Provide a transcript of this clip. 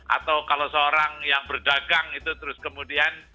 atau kalau seorang yang berdagang itu terus kemudian